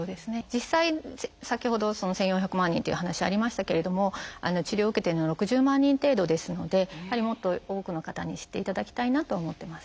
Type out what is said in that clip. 実際先ほど１，４００万人っていう話ありましたけれども治療を受けてるのは６０万人程度ですのでもっと多くの方に知っていただきたいなと思ってます。